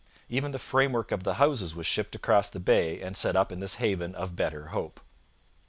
Even the framework of the houses was shipped across the bay and set up in this haven of better hope.